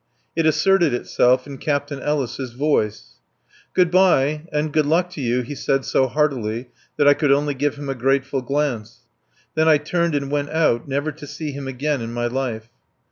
It asserted itself in Captain Ellis' voice. "Good bye and good luck to you," he said so heartily that I could only give him a grateful glance. Then I turned and went out, never to see him again in my life.